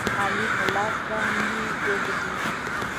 علي په لاس باندې ګوډ دی.